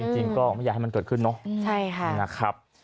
จริงก็ไม่อยากให้มันเกิดขึ้นเนาะ